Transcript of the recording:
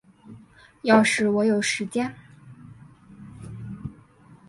要是我有时间